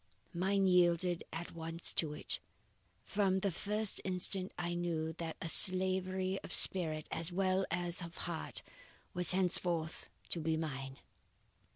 Mine yielded at once to it. From the first instant, I knew that a slavery of spirit, as well as of heart, was henceforth to be mine.